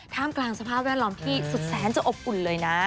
กลางสภาพแวดล้อมที่สุดแสนจะอบอุ่นเลยนะ